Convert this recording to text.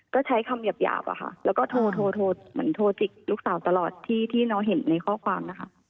ก็ใช้คำหยาบแล้วก็โทรโทรจิกลูกสาวตลอดที่น้องเห็นในข้อความ